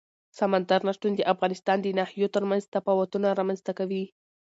سمندر نه شتون د افغانستان د ناحیو ترمنځ تفاوتونه رامنځ ته کوي.